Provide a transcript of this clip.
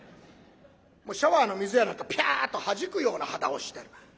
シャワーの水やなんかピャッとはじくような肌をしてる。